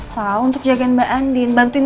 sa untuk jagain mbak anin bantuin